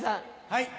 はい。